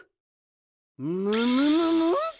むむむむっ！